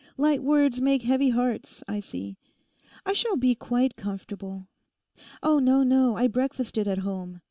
Light words make heavy hearts, I see. I shall be quite comfortable. No, no, I breakfasted at home.